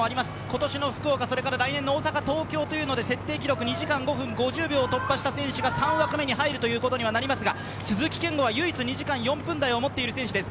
今年の福岡、それから来年の大阪、東京で設定記録２時間５分５０秒を突破した選手が３枠目に入ることになりますが、鈴木健吾は唯一２時間４分台を持っている選手です。